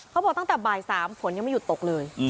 เขาบอกตั้งแต่บ่าย๓ฝนยังไม่หยุดตกเลย